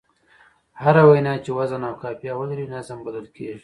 هره وينا چي وزن او قافیه ولري؛ نظم بلل کېږي.